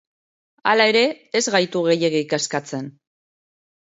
Hala ere, ez gaitu gehiegi kezkatzen.